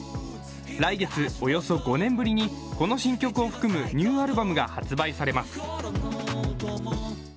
来月、およそ５年ぶりにこの新曲を含むニューアルバムが発売されます。